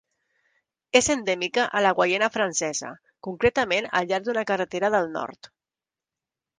És endèmica a la Guaiana francesa, concretament al llarg d'una carretera del nord.